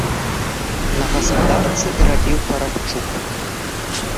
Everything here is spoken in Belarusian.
На гаспадарцы рабіў парабчук.